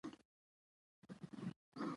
تعلیم نجونو ته د مشرانو درناوی ور زده کوي.